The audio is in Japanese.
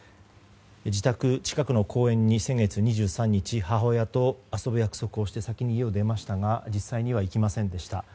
自宅近くの公園に先月２３日母親と遊ぶ約束をして先に家を出ましたが実際には行きませんでした。